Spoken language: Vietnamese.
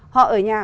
họ ở nhà